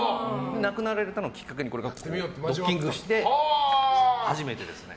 亡くなられたのをきっかけにドッキングして、初めてですね。